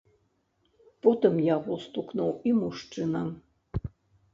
Потым яго стукнуў і мужчына.